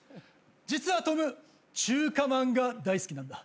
実はトム中華まんが大好きなんだ。